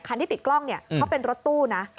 คันที่ติดกล้องเนี่ยเขาเป็นรถตู้นะ